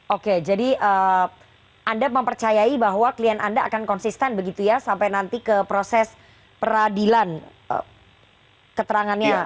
oke jadi anda mempercayai bahwa klien anda akan konsisten begitu ya sampai nanti ke proses peradilan keterangannya